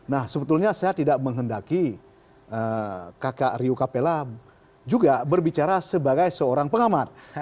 nah sebetulnya saya tidak menghendaki kakak rio capella juga berbicara sebagai seorang pengamat